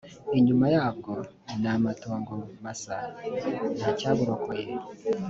inyuma yabwo ni amatongo masa nta cyaburokoye